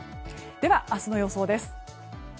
では明日の予想です。